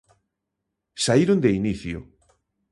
Saíron de inicio.